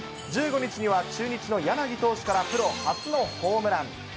１５日には、中日のやなぎ投手からプロ初のホームラン。